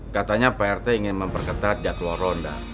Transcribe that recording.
katanya pak rt ingin memperketat jadwal ronda